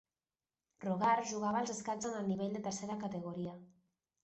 Rogard jugava als escacs en el nivell de tercera categoria.